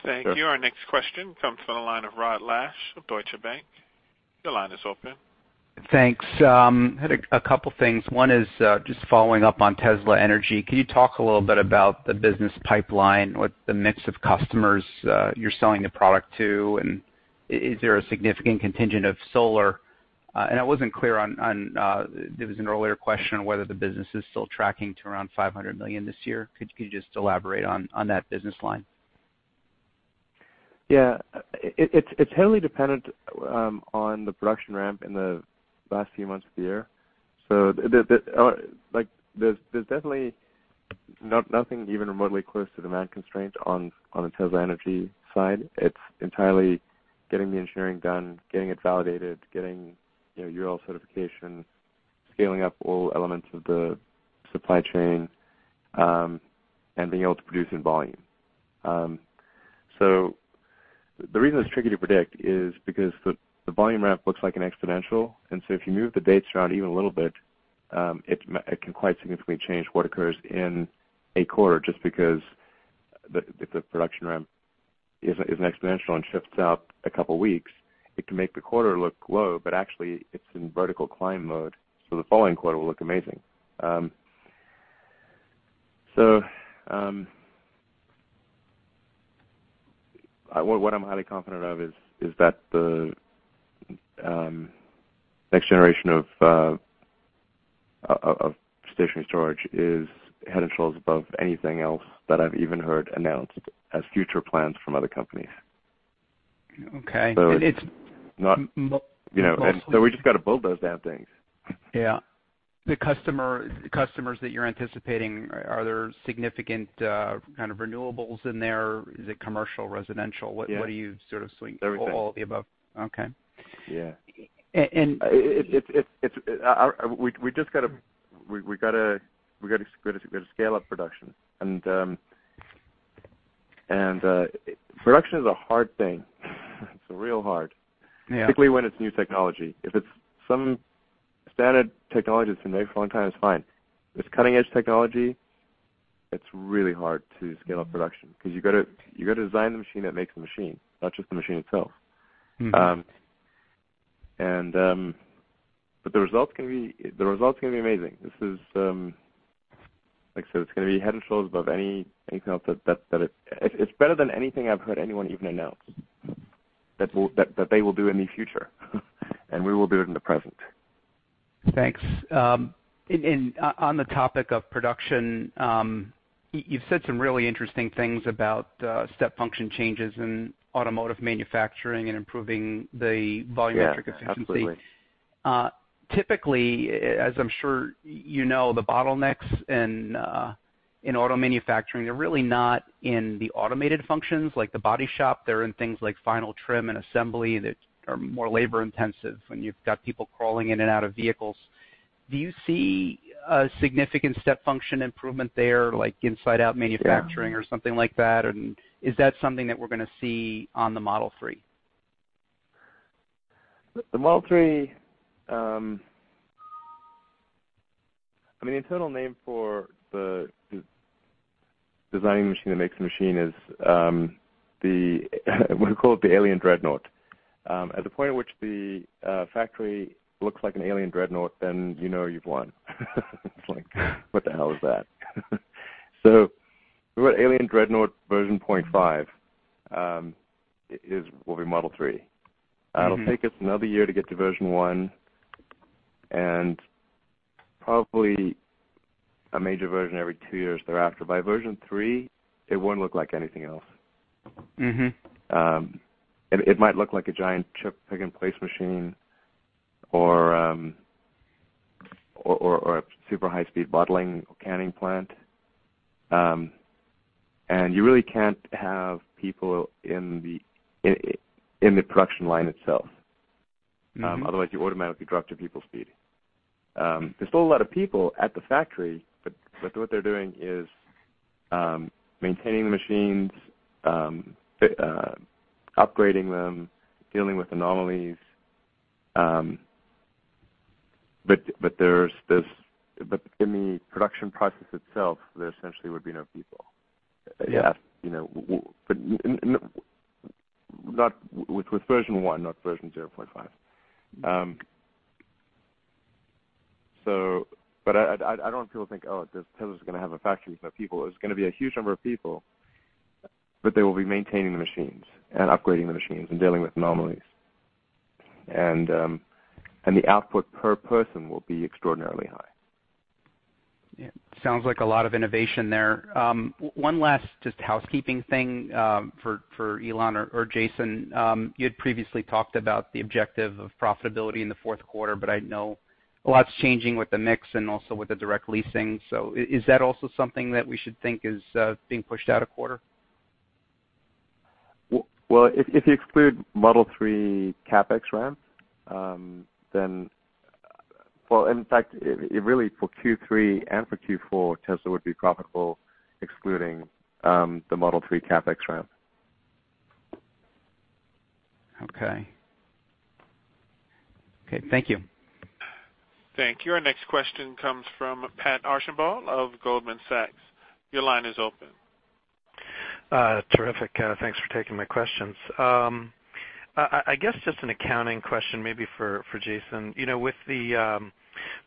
Sure. Thank you. Our next question comes from the line of Rod Lache of Deutsche Bank. Your line is open. Thanks. Had a couple things. One is just following up on Tesla Energy. Can you talk a little bit about the business pipeline, what the mix of customers, you're selling the product to, and is there a significant contingent of solar? I wasn't clear on, there was an earlier question on whether the business is still tracking to around $500 million this year. Could you just elaborate on that business line? Yeah. It's heavily dependent on the production ramp in the last few months of the year. The, like, there's definitely nothing even remotely close to demand constraint on the Tesla Energy side. It's entirely getting the engineering done, getting it validated, getting, you know, UL certification, scaling up all elements of the supply chain, and being able to produce in volume. The reason it's tricky to predict is because the volume ramp looks like an exponential. If you move the dates around even a little bit, it can quite significantly change what occurs in a quarter, just because the production ramp is an exponential and shifts out a couple weeks. It can make the quarter look low, but actually it's in vertical climb mode, so the following quarter will look amazing. What I'm highly confident of is that the next generation of stationary storage is head and shoulders above anything else that I've even heard announced as future plans from other companies. Okay. So it. It's, Not Mostly You know, we just gotta build those damn things. Yeah. The customers that you're anticipating, are there significant, kind of renewables in there? Is it commercial, residential? Yeah. What do you sort of see? Everything. All of the above. Okay. Yeah. It's. We just gotta scale up production and production is a hard thing. It's real hard. Yeah. Particularly when it's new technology. If it's some standard technology that's been made for a long time, it's fine. If it's cutting-edge technology, it's really hard to scale up production because you gotta design the machine that makes the machine, not just the machine itself. The results are gonna be amazing. This is, like I said, it's gonna be head and shoulders above anything else that It's better than anything I've heard anyone even announce that they will do in the future, and we will do it in the present. Thanks. On the topic of production, you've said some really interesting things about step function changes in automotive manufacturing and improving the volumetric efficiency. Yeah, absolutely. Typically, as I'm sure you know, the bottlenecks in auto manufacturing are really not in the automated functions like the body shop. They're in things like final trim and assembly that are more labor-intensive, when you've got people crawling in and out of vehicles. Do you see a significant step function improvement there, like inside out manufacturing? Yeah or something like that? Is that something that we're gonna see on the Model 3? The Model 3, I mean, the internal name for the designing the machine that makes the machine is, we call it the Alien Dreadnought. At the point at which the factory looks like an Alien Dreadnought, then you know you've won. It's like, what the hell is that? We're at Alien Dreadnought version 0.5, will be Model 3. It'll take us another year to get to version 1 and probably a major version every two years thereafter. By version 3, it won't look like anything else. It might look like a giant chip pick-and-place machine or a super high-speed bottling or canning plant. You really can't have people in the production line itself. Otherwise, you automatically drop to people speed. There's still a lot of people at the factory, but what they're doing is, maintaining the machines, upgrading them, dealing with anomalies. In the production process itself, there essentially would be no people. Yeah. You know, but not with version 1, not version 0.5. But I don't want people to think, "Tesla's going to have a factory with no people." There's going to be a huge number of people, but they will be maintaining the machines and upgrading the machines and dealing with anomalies. The output per person will be extraordinarily high. Yeah. Sounds like a lot of innovation there. One last just housekeeping thing for Elon or Jason. You'd previously talked about the objective of profitability in the fourth quarter, but I know a lot's changing with the mix and also with the direct leasing. Is that also something that we should think is being pushed out a quarter? Well, if you exclude Model 3 CapEx ramp, then, well, in fact, it really for Q3 and for Q4, Tesla would be profitable excluding the Model 3 CapEx ramp. Okay. Okay, thank you. Thank you. Our next question comes from Patrick Archambault of Goldman Sachs. Your line is open. Terrific. Thanks for taking my questions. I guess just an accounting question maybe for Jason. You know, with the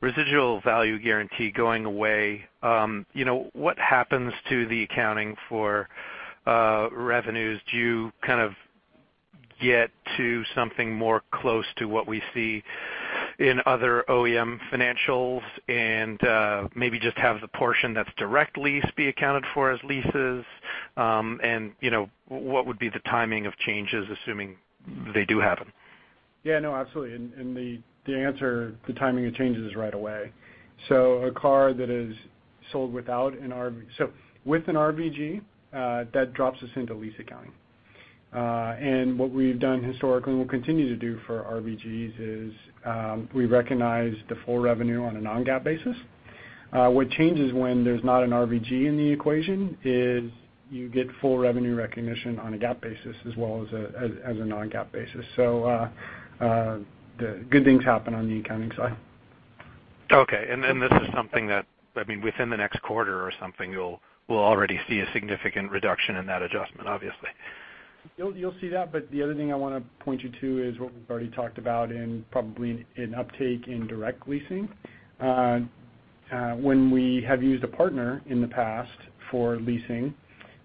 residual value guarantee going away, you know, what happens to the accounting for revenues? Do you kind of get to something more close to what we see in other OEM financials and maybe just have the portion that's direct lease be accounted for as leases? You know, what would be the timing of changes, assuming they do happen? Yeah, no, absolutely. The answer, the timing of change is right away. A car that is sold with an RVG, that drops us into lease accounting. What we've done historically and we'll continue to do for RVGs is we recognize the full revenue on a non-GAAP basis. What changes when there's not an RVG in the equation is you get full revenue recognition on a GAAP basis as well as a non-GAAP basis. The good things happen on the accounting side. Okay. This is something that, I mean, within the next quarter or something we'll already see a significant reduction in that adjustment, obviously. You'll see that, but the other thing I wanna point you to is what we've already talked about and probably an uptake in direct leasing. When we have used a partner in the past for leasing,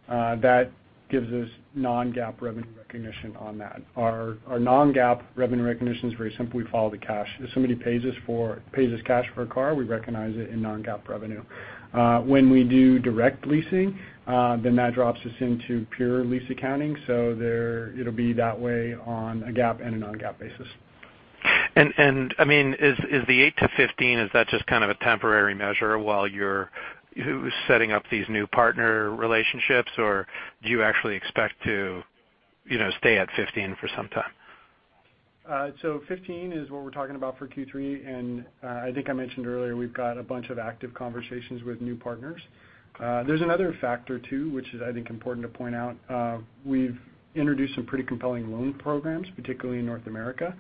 that gives us non-GAAP revenue recognition on that. Our non-GAAP revenue recognition is very simple. We follow the cash. If somebody pays us cash for a car, we recognize it in non-GAAP revenue. When we do direct leasing, then that drops us into pure lease accounting. There it'll be that way on a GAAP and a non-GAAP basis. I mean, is the 8%-15%, is that just kind of a temporary measure while who's setting up these new partner relationships, or do you actually expect to, you know, stay at 15 for some time? 15 is what we're talking about for Q3, and I think I mentioned earlier, we've got a bunch of active conversations with new partners. There's another factor too, which is I think important to point out. We've introduced some pretty compelling loan programs, particularly in North America,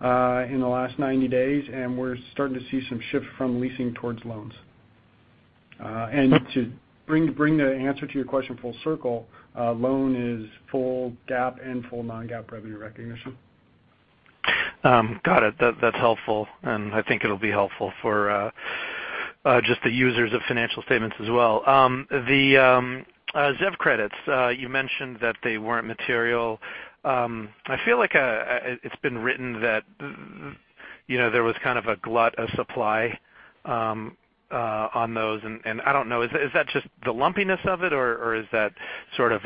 in the last 90 days, and we're starting to see some shift from leasing towards loans. To bring the answer to your question full circle, loan is full GAAP and full non-GAAP revenue recognition. Got it. That's helpful, and I think it'll be helpful for just the users of financial statements as well. The ZEV credits, you mentioned that they weren't material. I feel like it's been written that, you know, there was kind of a glut of supply on those and I don't know, is that just the lumpiness of it or is that sort of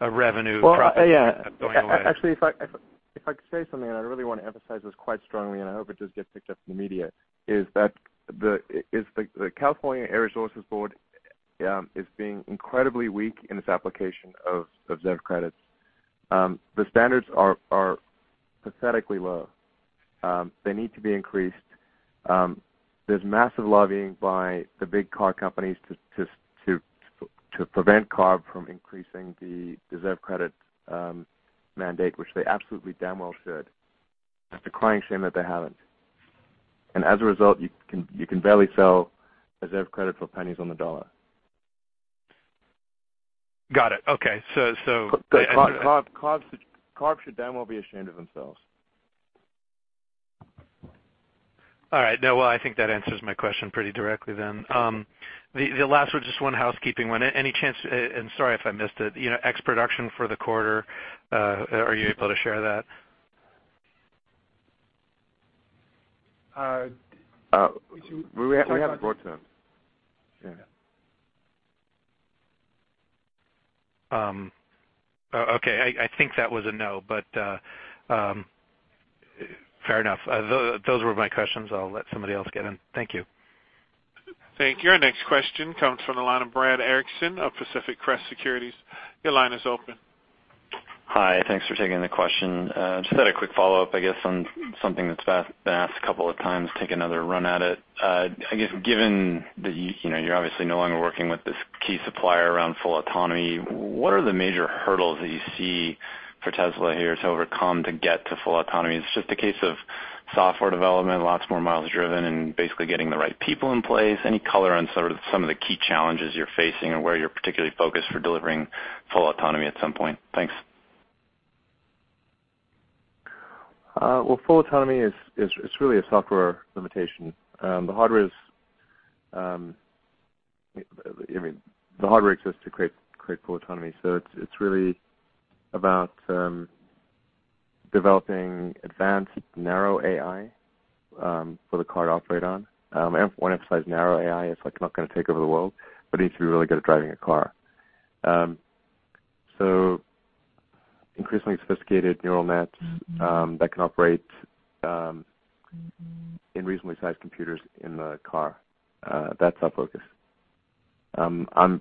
a revenue? Well, yeah. profit going away? Actually, if I could say something, and I really want to emphasize this quite strongly, and I hope it does get picked up in the media, is that the California Air Resources Board is being incredibly weak in its application of ZEV credits. The standards are pathetically low. They need to be increased. There's massive lobbying by the big car companies to prevent CARB from increasing the ZEV credit mandate, which they absolutely damn well should. It's a crying shame that they haven't. As a result, you can barely sell a ZEV credit for pennies on the dollar. Got it. Okay. CARB should damn well be ashamed of themselves. All right. No, well, I think that answers my question pretty directly then. The, the last was just one housekeeping one. Any chance, and sorry if I missed it, you know, ex production for the quarter, are you able to share that? Uh. We haven't got to that. Yeah. Oh, okay. I think that was a no, but fair enough. Those were my questions. I'll let somebody else get in. Thank you. Thank you. Our next question comes from the line of Brad Erickson of Pacific Crest Securities. Your line is open. Hi. Thanks for taking the question. Just had a quick follow-up, I guess, on something that's been asked a couple of times. Take another run at it. I guess, given that, you know, you're obviously no longer working with this key supplier around full autonomy, what are the major hurdles that you see for Tesla here to overcome to get to full autonomy? Is it just a case of software development, lots more miles driven, and basically getting the right people in place? Any color on sort of some of the key challenges you're facing and where you're particularly focused for delivering full autonomy at some point? Thanks. Well, full autonomy is, it's really a software limitation. The hardware is, I mean, the hardware exists to create full autonomy. It's, it's really about developing advanced narrow AI for the car to operate on. I want to emphasize narrow AI. It's, like, not gonna take over the world, but it needs to be really good at driving a car. Increasingly sophisticated neural nets that can operate in reasonably sized computers in the car. That's our focus. I'm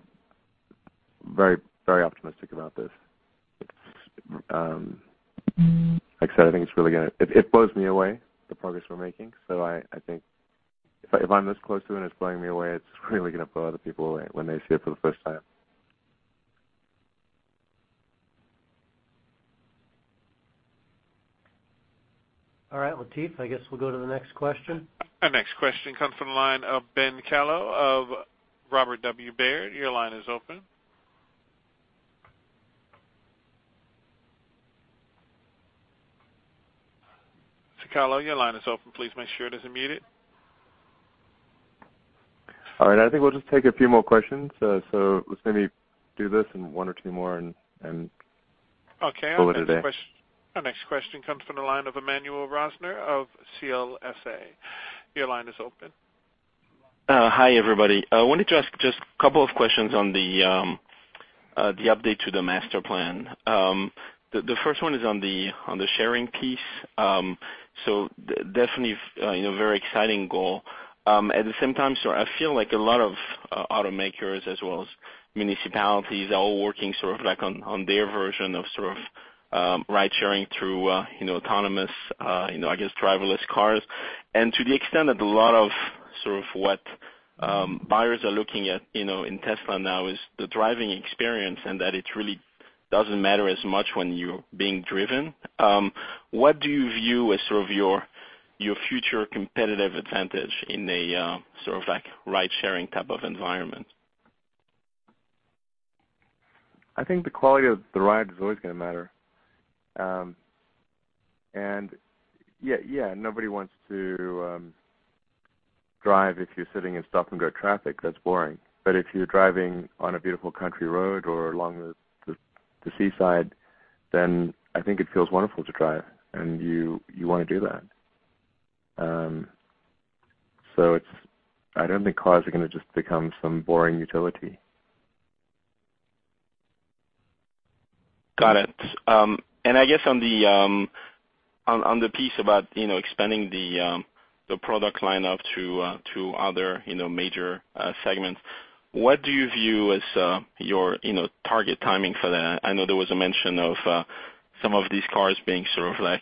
very optimistic about this. Like I said, I think it's really It blows me away, the progress we're making. I think if I'm this close to it and it's blowing me away, it's really gonna blow other people away when they see it for the first time. All right, Latif, I guess we'll go to the next question. Our next question comes from the line of Ben Kallo of Robert W. Baird. Your line is open. Mr. Kallo, your line is open. Please make sure it is unmuted. All right. I think we'll just take a few more questions. Let's maybe do this and one or two more. Okay. call it a day. Our next question comes from the line of Emmanuel Rosner of CLSA. Your line is open. Hi, everybody. I wanted to ask just a couple of questions on the update to the master plan. The first one is on the sharing piece. So definitely, you know, very exciting goal. At the same time, sir, I feel like a lot of automakers as well as municipalities are all working sort of like on their version of sort of ridesharing through, you know, autonomous, you know, I guess, driverless cars. To the extent that a lot of sort of what buyers are looking at, you know, in Tesla now is the driving experience and that it really doesn't matter as much when you're being driven. What do you view as sort of your future competitive advantage in a sort of like ridesharing type of environment? I think the quality of the ride is always gonna matter. Nobody wants to drive if you're sitting in stop-and-go traffic. That's boring. If you're driving on a beautiful country road or along the seaside, then I think it feels wonderful to drive, and you wanna do that. I don't think cars are gonna just become some boring utility. Got it. I guess on the piece about, you know, expanding the product line up to other, you know, major segments. What do you view as your, you know, target timing for that? I know there was a mention of some of these cars being sort of like,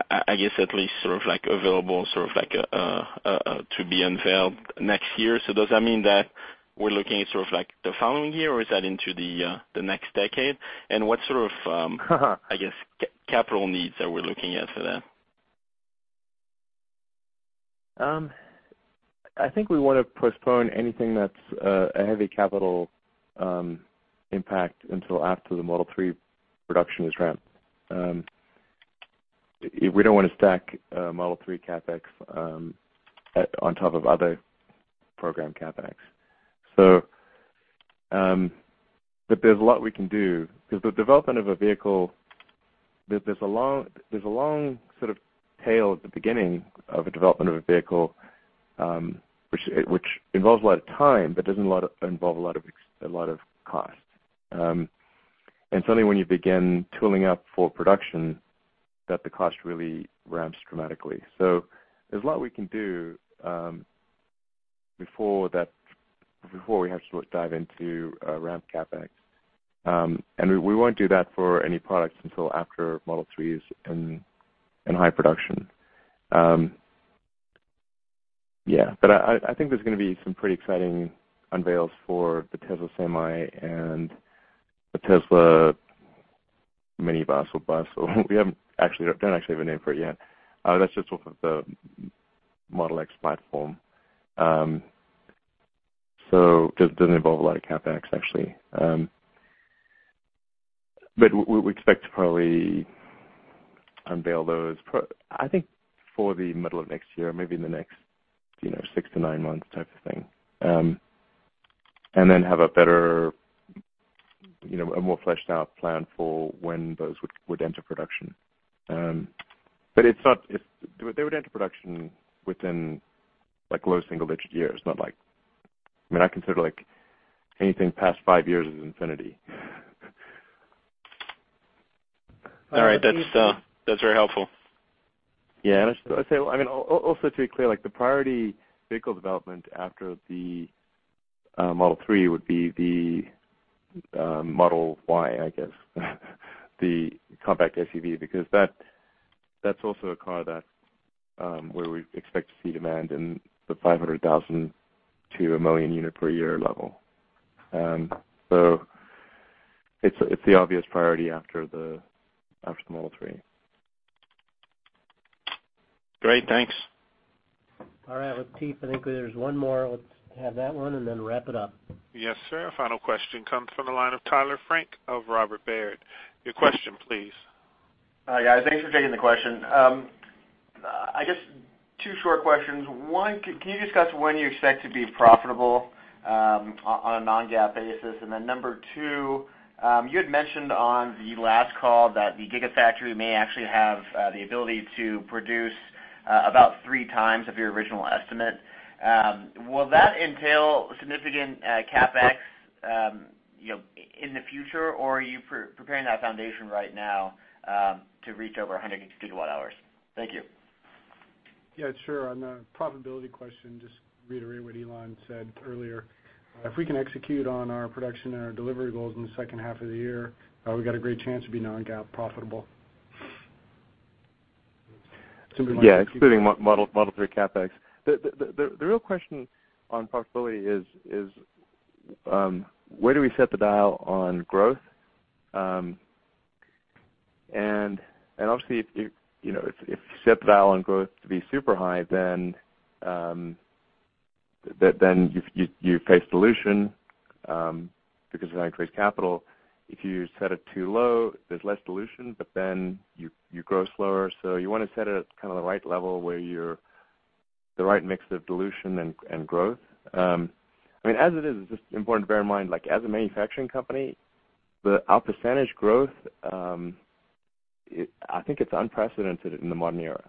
I guess at least sort of like available, sort of like, to be unveiled next year. Does that mean that we're looking at sort of like the following year, or is that into the next decade? What sort of, I guess capital needs are we looking at for that? I think we wanna postpone anything that's a heavy capital impact until after the Model 3 production is ramped. We don't wanna stack Model 3 CapEx at, on top of other program CapEx. But there's a lot we can do. 'Cause the development of a vehicle, there's a long sort of tail at the beginning of a development of a vehicle, which involves a lot of time but doesn't involve a lot of cost. Suddenly when you begin tooling up for production, that the cost really ramps dramatically. There's a lot we can do before that, before we have to sort of dive into ramp CapEx. We won't do that for any products until after Model 3's in high production. I think there's gonna be some pretty exciting unveils for the Tesla Semi and the Tesla Minibus or Bus, or we haven't actually don't actually have a name for it yet. That's just off of the Model X platform. Just doesn't involve a lot of CapEx actually. We expect to probably unveil those I think for the middle of next year, maybe in the next, you know, six to nine months type of thing. Then have a better, you know, a more fleshed out plan for when those would enter production. It's not. They would enter production within like low single-digit years, not like I mean, I consider like anything past 5 years as infinity. All right. That's very helpful. Yeah. I'd say, I mean, also to be clear, like the priority vehicle development after the Model 3 would be the Model Y, I guess, the compact SUV, because that's also a car that where we expect to see demand in the 500,000 to 1 million unit per year level. It's the obvious priority after the Model 3. Great. Thanks. All right. With Keith, I think there's one more. Let's have that one and then wrap it up. Yes, sir. Final question comes from the line of Tyler Frank of Robert Baird. Your question please. Hi, guys. Thanks for taking the question. I guess two short questions. One, can you discuss when you expect to be profitable on a non-GAAP basis? Number two, you had mentioned on the last call that the Gigafactory may actually have the ability to produce about 3x of your original estimate. Will that entail significant CapEx, you know, in the future, or are you preparing that foundation right now to reach over 100 GW-hours? Thank you. Sure. On the profitability question, just to reiterate what Elon said earlier. If we can execute on our production and our delivery goals in the second half of the year, we got a great chance to be non-GAAP profitable. Yeah, including Model 3 CapEx. The real question on profitability is where do we set the dial on growth? Obviously if, you know, if you set the dial on growth to be super high, then you face dilution because you gotta increase capital. If you set it too low, there's less dilution, you grow slower. You wanna set it at kind of the right level where you're the right mix of dilution and growth. I mean, as it is, it's just important to bear in mind, like as a manufacturing company, our percentage growth, I think it's unprecedented in the modern era.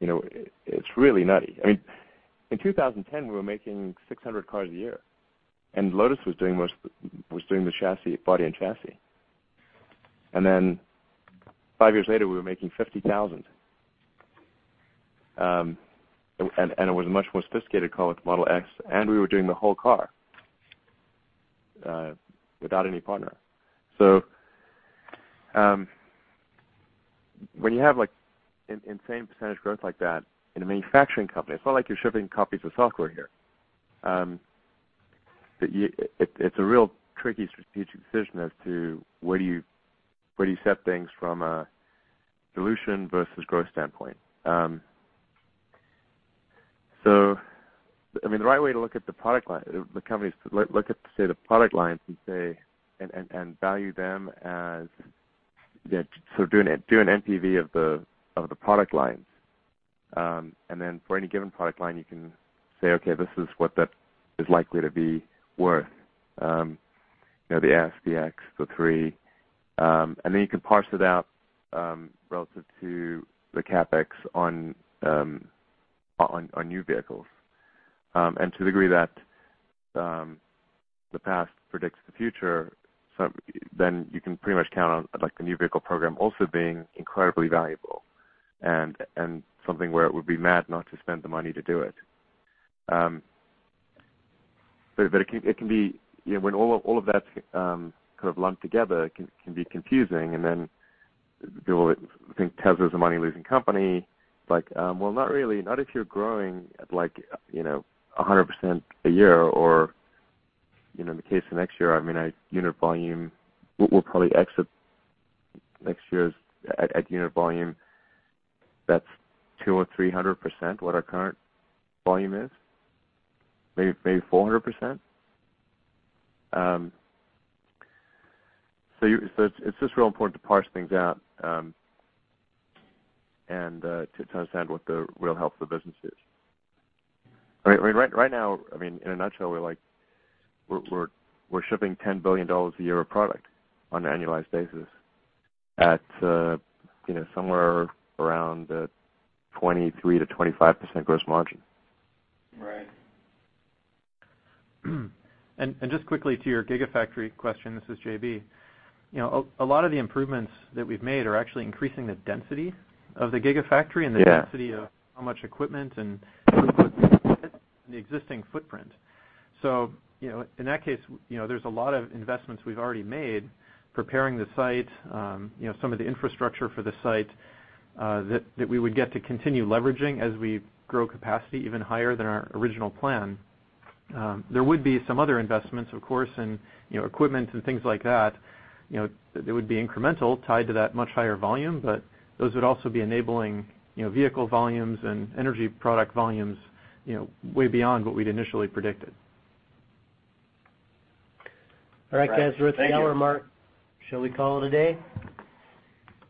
You know, it's really nutty. I mean, in 2010, we were making 600 cars a year, and Lotus was doing most, was doing the chassis, body and chassis. five years later, we were making 50,000. And it was a much more sophisticated car with Model X, and we were doing the whole car, without any partner. When you have like insane percentage growth like that in a manufacturing company, it's not like you're shipping copies of software here. You, it's a real tricky strategic decision as to where do you set things from a dilution versus growth standpoint. I mean, the right way to look at the product line, the company is to look at say the product lines and say, and value them as, do an NPV of the product lines. For any given product line, you can say, okay, this is what that is likely to be worth. You know, the S, the X, the 3. You can parse it out relative to the CapEx on new vehicles. To the degree that the past predicts the future. You can pretty much count on, like, the new vehicle program also being incredibly valuable and something where it would be mad not to spend the money to do it. It can be, you know, when all of that kind of lumped together can be confusing and then people think Tesla's a money-losing company. Like, well, not really. Not if you're growing at like, you know, 100% a year or, you know, in the case of next year, I mean, our unit volume will probably exit next year's at unit volume that's 200% or 300% what our current volume is. Maybe 400%. It's just real important to parse things out and to understand what the real health of the business is. I mean, right now, I mean, in a nutshell, we're like we're shipping $10 billion a year of product on an annualized basis at, you know, somewhere around 23%-25% gross margin. Right. Just quickly to your Gigafactory question, this is JB. You know, a lot of the improvements that we've made are actually increasing the density of the Gigafactory. Yeah. -and the density of how much equipment and in the existing footprint. In that case, you know, there's a lot of investments we've already made preparing the site, you know, some of the infrastructure for the site that we would get to continue leveraging as we grow capacity even higher than our original plan. There would be some other investments, of course, in, you know, equipment and things like that, you know, that would be incremental tied to that much higher volume, but those would also be enabling, you know, vehicle volumes and energy product volumes, you know, way beyond what we'd initially predicted. Right. Thank you. All right, guys, we're at the hour mark. Shall we call it a day?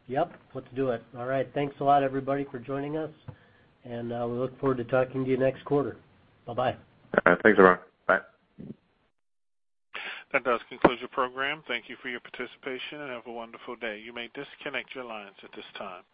Yep. Let's do it. All right. Thanks a lot, everybody, for joining us. We look forward to talking to you next quarter. Bye-bye. All right. Thanks, everyone. Bye. That does conclude your program. Thank you for your participation, and have a wonderful day. You may disconnect your lines at this time.